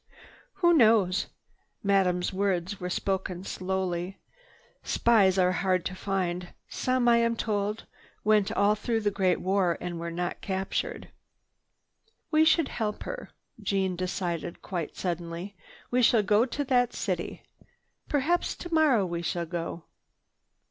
"Who knows?" Madame's words were spoken slowly. "Spies are hard to find. Some, I am told, went all through the great war and were not captured." "We should help her," Jeanne decided quite suddenly. "We shall go to that little city. Perhaps tomorrow we shall go."